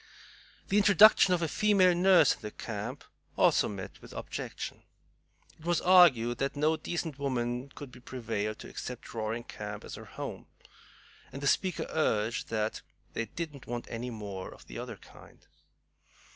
The introduction of a female nurse in the camp also met with objection. It was argued that no decent woman could be prevailed to accept Roaring Camp as her home, and the speaker urged that "they didn't want any more of the other kind."